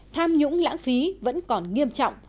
tham nhũng lãng phí vẫn còn nghiêm trọng